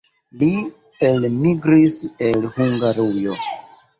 Li elmigris el Hungarujo.